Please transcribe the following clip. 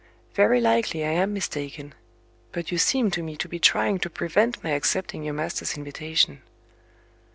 Very likely I am mistaken but you seem to me to be trying to prevent my accepting your master's invitation."